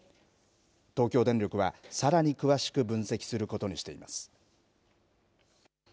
東京電力は、さらに詳しく分析することにしています。